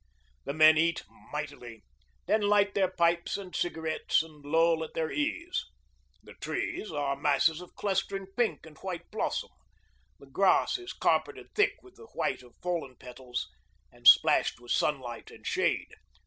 The men eat mightily, then light their pipes and cigarettes and loll at their ease. The trees are masses of clustering pink and white blossom, the grass is carpeted thick with the white of fallen petals and splashed with sunlight and shade.